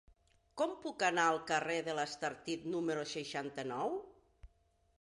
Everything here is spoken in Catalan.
Com puc anar al carrer de l'Estartit número seixanta-nou?